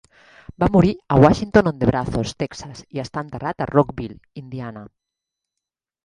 Va morir a Washington-on-the-Brazos, Texas, i està enterrat a Rockville, Indiana.